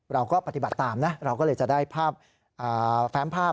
เราก็ปฏิบัติตามนะเราก็เลยจะได้ภาพแฟ้มภาพ